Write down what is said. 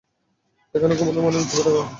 এখানে ঘুমানো মানে মৃত্যুকে ডেকে আনা।